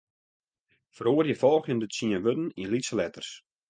Feroarje folgjende tsien wurden yn lytse letters.